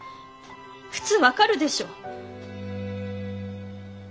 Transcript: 普通分かるでしょ。